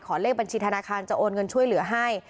เลขบัญชีธนาคารจะโอนเงินช่วยเหลือให้